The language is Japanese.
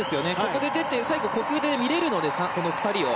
ここで出て、呼吸で見れるので２人を。